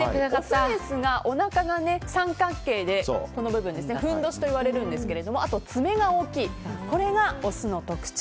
オスがおなかが三角形でふんどしといわれるんですけどもあと爪が大きい。